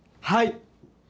はい！